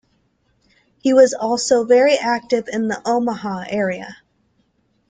He was also very active in the Omaha area.